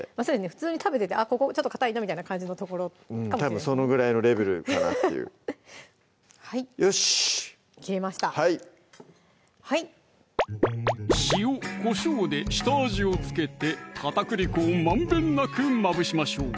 普通に食べててあっここちょっとかたいな感じの所うんたぶんそのぐらいのレベルかなっていうはい切れました塩・こしょうで下味を付けて片栗粉をまんべんなくまぶしましょう